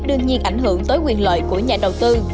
đương nhiên ảnh hưởng tới quyền lợi của nhà đầu tư